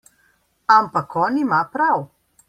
Ampak on ima prav.